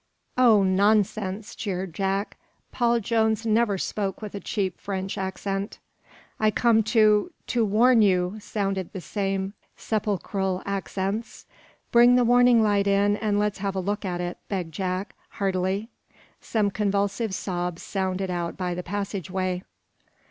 "Oh nonsense!" jeered Jack. "Paul Jones never spoke with a cheap French accent." "I come to to warn you," sounded the same sepulchral accents. "Bring the warning right in and let's have look at it," begged Jack, heartily. Some convulsive sobs sounded out by the passageway.